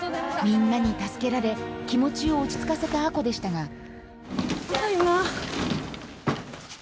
みんなに助けられ気持ちを落ち着かせた亜子でしたがただいま。